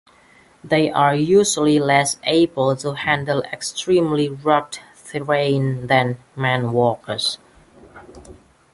They are usually less able to handle extremely rugged terrain than "man walkers".